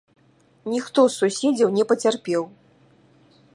Ніхто з суседзяў не пацярпеў.